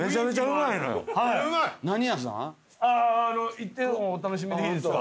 行ってのお楽しみでいいですか？